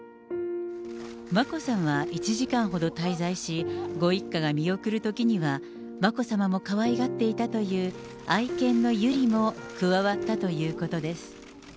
眞子さんは１時間ほど滞在し、ご一家が見送るときには、眞子さまもかわいがっていたという、愛犬の由莉も加わったということです。